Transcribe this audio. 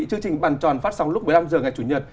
chương trình bàn tròn phát sóng lúc một mươi năm h ngày chủ nhật